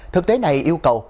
thực tế này yêu cầu